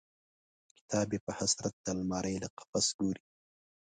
کتاب یې په حسرت د المارۍ له قفس ګوري